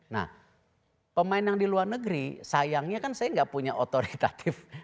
nah pemain yang di luar negeri sayangnya kan saya nggak punya otoritatif